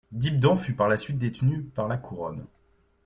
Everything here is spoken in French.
Dibden fut par la suite détenu par la Couronne.